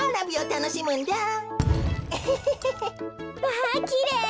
わきれい！